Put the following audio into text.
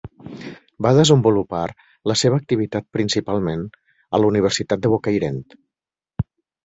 Va desenvolupar la seua activitat principalment a la Universitat de Bocairent.